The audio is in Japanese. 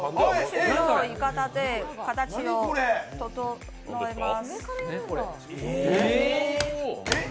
鋳型で形を整えます。